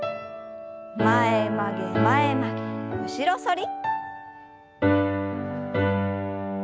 前曲げ前曲げ後ろ反り。